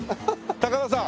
高田さん！